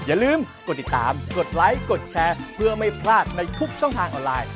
อย่าลืมกดติดตามกดไลค์กดแชร์เพื่อไม่พลาดในทุกช่องทางออนไลน์